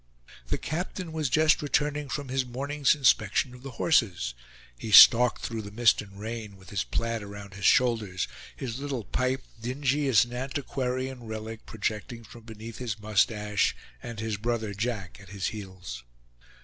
The captain was just returning from his morning's inspection of the horses. He stalked through the mist and rain, with his plaid around his shoulders; his little pipe, dingy as an antiquarian relic, projecting from beneath his mustache, and his brother Jack at his heels.